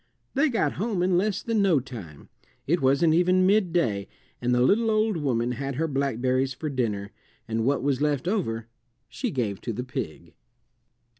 They got home in less than no time; it wasn't even midday, and the little old woman had her blackberries for dinner, and what was left over she gave to the pig.